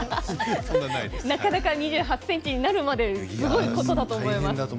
なかなか２８ｃｍになることはすごいことだと思います。